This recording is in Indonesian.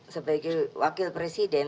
sebagai wakil presiden